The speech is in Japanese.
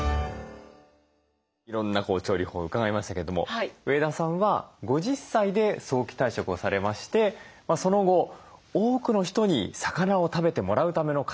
いろんな調理法を伺いましたけども上田さんは５０歳で早期退職をされましてその後多くの人に魚を食べてもらうための活動を始められました。